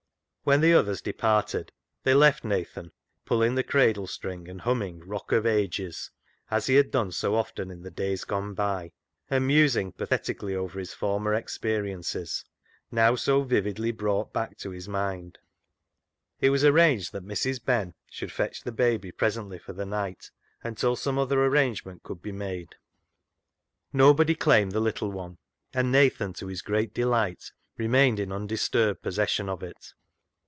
When the others departed, they left Nathan pulling the cradle string and humming " Rock of Ages," as he had done so often in days gone by, and musing pathetically over his former experiences, now so vividly brought back to his mind. It was arranged that Mrs. Ben should fetch the baby presently for the night, until some other arrangement could be made. Nobody claimed the little one, and Nathan, to his great delight, remained in undisturbed possession of it.